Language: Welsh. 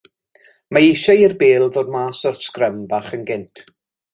Mae eisiau i'r bêl ddod mas o'r sgrym bach yn gynt.